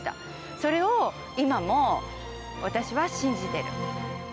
それを今も私は信じてる。